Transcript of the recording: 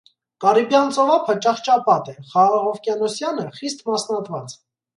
Կարիբյան ծովափը ճահճապատ է, խաղաղօվկիանոսյանը՝ խիստ մասնատված։